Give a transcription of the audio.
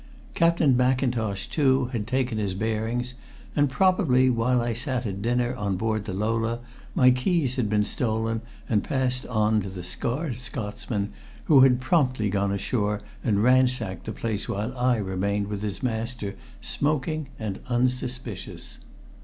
Captain Mackintosh, too, had taken his bearings, and probably while I sat at dinner on board the Lola my keys had been stolen and passed on to the scarred Scotsman, who had promptly gone ashore and ransacked the place while I had remained with his master smoking and unsuspicious.